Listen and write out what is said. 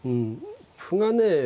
歩がね